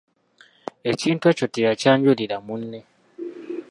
Ekintu ekyo teyakyanjulira munne.